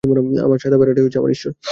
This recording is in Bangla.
আমার সাদা ভেড়াটাই হচ্ছে আমার ঈশ্বর!